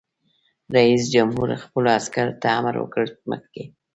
رئیس جمهور خپلو عسکرو ته امر وکړ؛ مخکې!